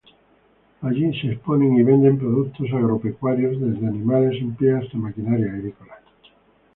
Allí se exponen y venden productos agropecuarios, desde animales en pie hasta maquinaria agrícola.